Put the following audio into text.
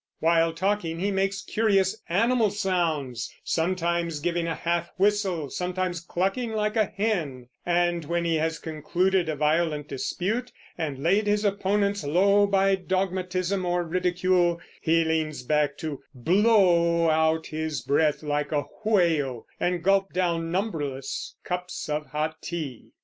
While talking he makes curious animal sounds, "sometimes giving a half whistle, sometimes clucking like a hen"; and when he has concluded a violent dispute and laid his opponents low by dogmatism or ridicule, he leans back to "blow out his breath like a whale" and gulp down numberless cups of hot tea.